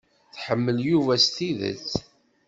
Tḥemmel Yuba s tidet.